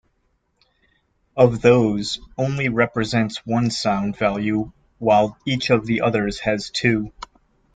Of those, only represents one sound value while each of the others has two.